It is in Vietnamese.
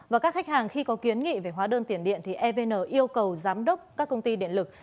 và các khách hàng khi có kiến nghị về hóa đơn tiền điện thì evn yêu cầu giám đốc các công ty điện lực